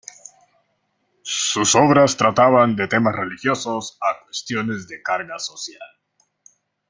Sus obras trataban desde temas religiosos a cuestiones de carga social.